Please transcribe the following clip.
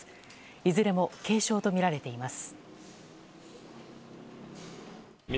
いずれも軽傷とみられています。